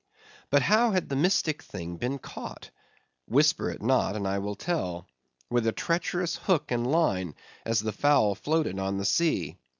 But how had the mystic thing been caught? Whisper it not, and I will tell; with a treacherous hook and line, as the fowl floated on the sea.